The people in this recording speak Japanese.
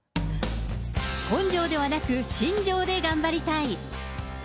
根性ではなく、新庄で頑張りたい。